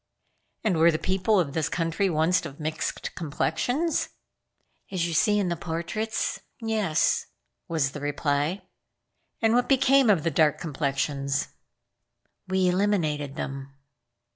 "And were the people of this country once of mixed complexions?" "As you see in the portraits? Yes," was the reply. "And what became of the dark complexions?" "We eliminated them."